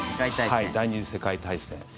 第２次世界大戦。